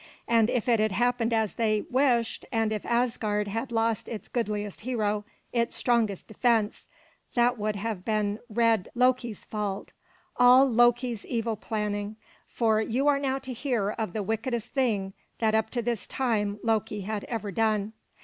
And if it had happened as they wished, and if Asgard had lost its goodliest hero, its strongest defense, that would have been red Loki's fault, all Loki's evil planning; for you are now to hear of the wickedest thing that up to this time Loki had ever done.